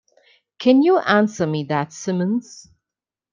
Can you answer me that, Simmons?